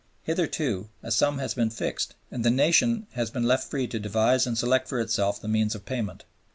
Hitherto, a sum has been fixed, and the nation mulcted has been left free to devise and select for itself the means of payment.